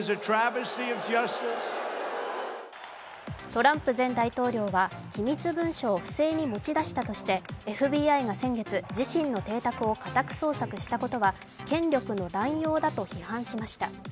トランプ前大統領は機密文書を不正に持ち出したとしてＦＢＩが先月、自身の邸宅を家宅捜索したことは権力の乱用だと批判しました。